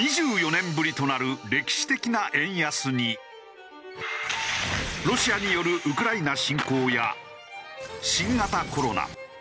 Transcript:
２４年ぶりとなる歴史的な円安にロシアによるウクライナ侵攻や新型コロナ。